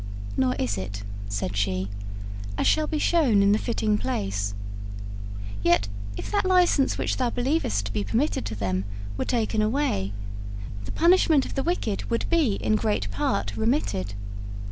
'Nor is it,' said she, 'as shall be shown in the fitting place. Yet if that license which thou believest to be permitted to them were taken away, the punishment of the wicked would be in great part remitted.